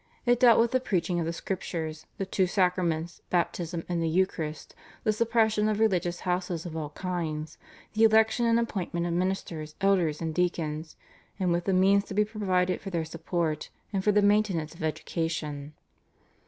It dealt with the preaching of the Scriptures, the two sacraments Baptism and the Eucharist, the suppression of religious houses of all kinds, the election and appointment of ministers, elders and deacons, and with the means to be provided for their support and for the maintenance of education.